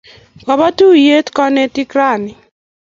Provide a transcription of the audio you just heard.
Kaba tuyet kanetik rani